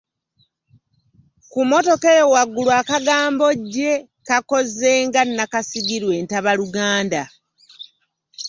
Ku mmotoka eyo waggulu, akagambo "gye" kakoze nga nakasigirwa entabaluganda.